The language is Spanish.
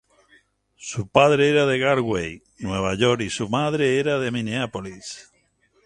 Su padre era de Galway, Nueva York, y su madre era de Mineápolis.